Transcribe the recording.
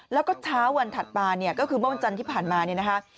แล้วก็เช้าวันถัดมาเนี่ยก็คือเมื่อวันจันทร์ที่ผ่านมาเนี่ยนะคะ